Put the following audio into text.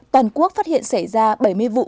toàn quốc phát hiện xảy ra bảy mươi vụ